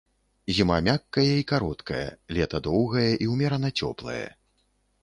Зіма мяккая і кароткая, лета доўгае і ўмерана цёплае.